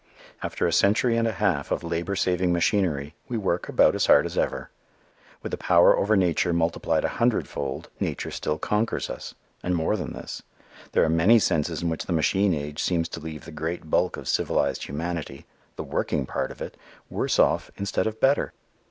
After a century and a half of labor saving machinery, we work about as hard as ever. With a power over nature multiplied a hundred fold, nature still conquers us. And more than this. There are many senses in which the machine age seems to leave the great bulk of civilized humanity, the working part of it, worse off instead of better.